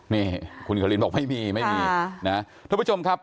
นี่คุณครินบอกไม่มีทุกผู้ชมครับ